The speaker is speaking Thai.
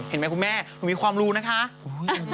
เห็นไหมคุณแม่หนูมีความรู้นะคะ